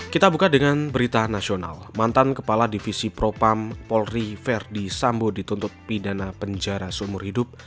kita buka dengan berita nasional mantan kepala divisi propam polri verdi sambo dituntut pidana penjara seumur hidup